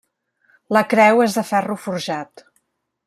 La creu és de ferro forjat.